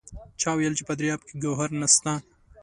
چا وایل چې په دریاب کې ګوهر نشته!